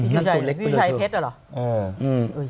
พี่ชัยเพชรเหรอ